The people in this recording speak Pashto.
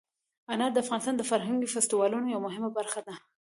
انار د افغانستان د فرهنګي فستیوالونو یوه مهمه برخه ده.